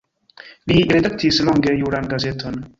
Li redaktis longe juran gazeton.